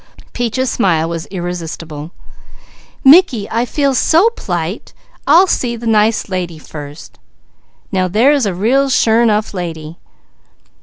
Peaches' smile was irresistible: "Mickey, I feel so p'lite! I'll see the nice lady first." "Now there's a real, sure enough lady!"